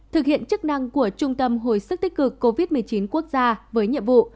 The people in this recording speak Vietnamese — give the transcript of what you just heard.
thực hiện chức năng của trung tâm hồi sức tích cực covid một mươi chín quốc gia với nhiệm vụ